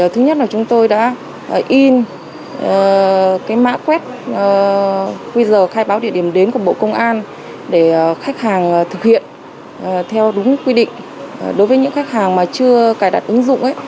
thực hiện theo đúng quy định đối với những khách hàng mà chưa cài đặt ứng dụng